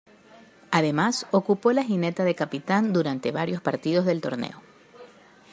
Además, ocupó la jineta de capitán durante varios partidos del torneo.